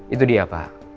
itu dia pak